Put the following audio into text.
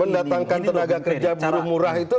mendatangkan tenaga kerja buruh murah itu